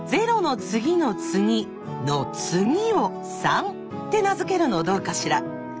「の次」を「３」って名付けるのどうかしら？